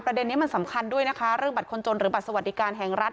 ประเด็นนี้มันสำคัญด้วยนะคะเรื่องบัตรคนจนหรือบัตรสวัสดิการแห่งรัฐ